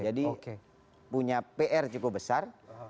jadi punya pr cukup besar